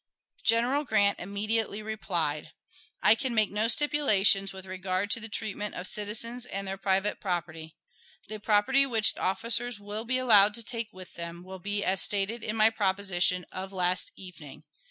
General Grant immediately replied: I can make no stipulations with regard to the treatment of citizens and their private property.... The property which officers will be allowed to take with them will be as stated in my proposition of last evening....